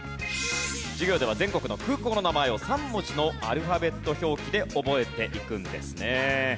授業では全国の空港の名前を３文字のアルファベット表記で覚えていくんですね。